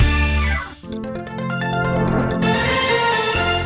โอ้โฮโอ้โฮโอ้โฮ